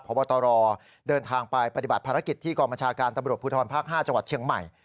พบบเดินทางไปปฏิบัติภาระกิจที่กรมชาการตพภภาค๕จเฉียงใหม่